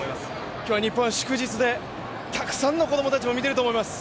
今日は日本は祝日でたくさんの子供たちも見てると思います。